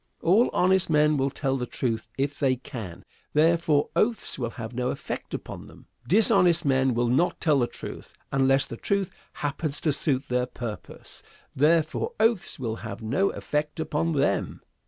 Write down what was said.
All honest men will tell the truth if they can; therefore, oaths will have no effect upon them. Dishonest men will not tell the truth unless the truth happens to suit their purpose; therefore, oaths will have no effect upon them.